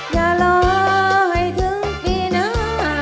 อย่ารอให้ถึงปีหน้า